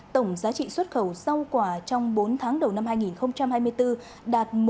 tổng giá trị xuất khẩu sau quả trong bốn tháng đầu năm hai nghìn hai mươi bốn